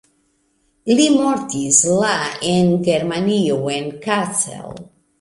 Li mortis la en Germanio en Kassel.